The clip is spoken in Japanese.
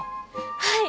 はい！